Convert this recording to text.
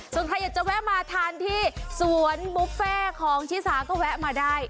ส่วนใครอยากจะแวะมาทานที่สวนบุฟเฟ่ของชิสาก็แวะมาได้